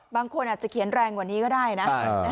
บางคนอาจจะเขียนแรงกว่านี้ก็ได้นะ